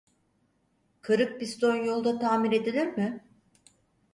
Kırık piston yolda tamir edilir mi?